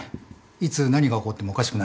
いつ何が起こってもおかしくないよ。